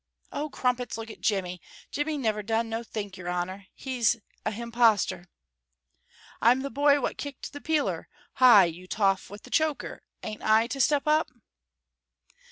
"Oh, crumpets, look at Jimmy! Jimmy never done nothink, your honor; he's a himposter"' "I'm the boy what kicked the peeler. Hie, you toff with the choker, ain't I to step up?"